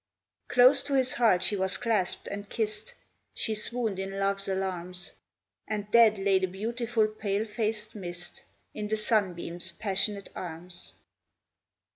Close to his heart she was clasped and kissed; She swooned in love's alarms, And dead lay the beautiful pale faced Mist In the Sunbeam's passionate arms.